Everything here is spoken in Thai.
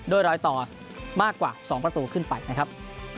รอยต่อมากกว่า๒ประตูขึ้นไปนะครับ